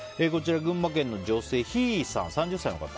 群馬県の女性３０歳の方。